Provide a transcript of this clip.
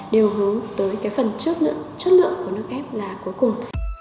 đều hướng tới phần chất lượng của nước ép là cuối cùng